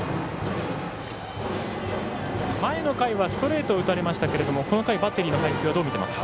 前の回はストレートを打たれましたけどこの回はバッテリーの配球どう見ていますか？